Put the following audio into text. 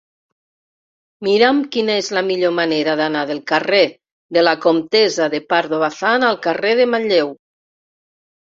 Mira'm quina és la millor manera d'anar del carrer de la Comtessa de Pardo Bazán al carrer de Manlleu.